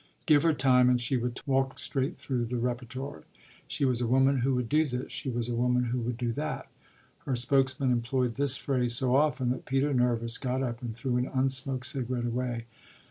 Give her time and she would walk straight through the repertory. She was a woman who would do this she was a woman who would do that: her spokesman employed this phrase so often that Peter, nervous, got up and threw an unsmoked cigarette away.